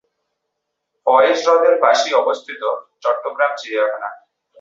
ফয়েজ হ্রদের পাশেই অবস্থিত চট্টগ্রাম চিড়িয়াখানা।